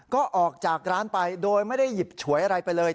ก็ออกจากร้านไปโดยไม่ได้หยิบฉวยอะไรไปเลย